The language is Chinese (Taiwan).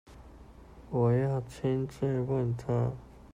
我要親自問他